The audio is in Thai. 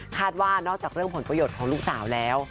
ว่านอกจากเรื่องผลประโยชน์ของลูกสาวแล้ว